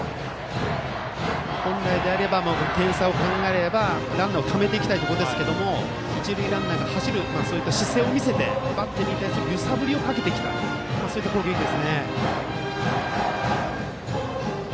本来なら点差を考えるとランナーをためていきたいところですけれども一塁ランナーが走る姿勢を見せてバッテリーに対する揺さぶりをかけていきたい攻撃です。